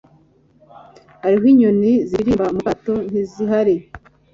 hariho inyoni ziririmba mu kato, ntizihari